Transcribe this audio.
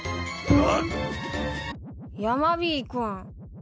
あ？